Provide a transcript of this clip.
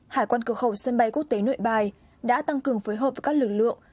hải quan cửa khẩu sân bay quốc tế nội bài đã tăng cường phối hợp với các lực lượng